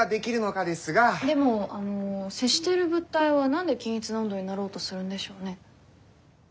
でもあの接している物体は何で均一な温度になろうとするんでしょうね。